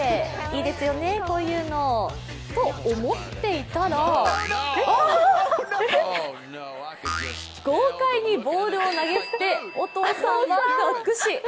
いいですよね、こういうの。と思っていたら豪快にボールを投げ捨て、お父さんはがっくし。